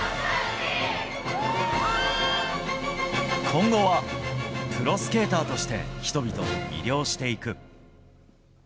今後はプロスケーターとして人々を魅了していく。